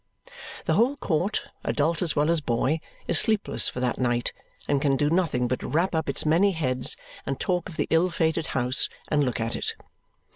The whole court, adult as well as boy, is sleepless for that night, and can do nothing but wrap up its many heads, and talk of the ill fated house, and look at it.